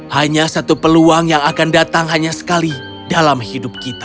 hanya satu peluang yang akan datang hanya sekali dalam hidup kita